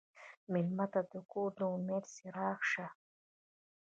مېلمه ته د کور د امید څراغ شه.